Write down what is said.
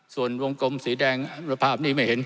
ส่วนวงกลมสีแดงสภาพนี้ไม่เห็น